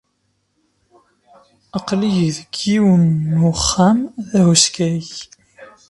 Aql-iyi deg yiwen n uxxam d ahuskay.